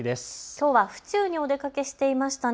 きょうは府中にお出かけしていましたね。